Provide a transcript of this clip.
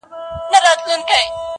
• چي په ژوند کي یې په خوب نه وو لیدلی -